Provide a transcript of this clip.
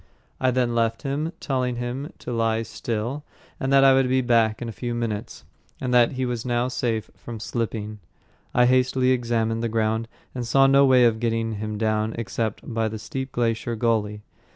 I then left him, telling him to lie still, that I would be back in a few minutes, and that he was now safe from slipping. I hastily examined the ground and saw no way of getting him down except by the steep glacier gully.